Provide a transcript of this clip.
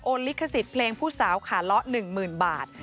โอนลิขสิทธิ์เพลงผู้สาวขาล้อหนึ่งหมื่นบาท